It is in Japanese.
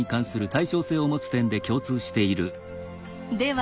では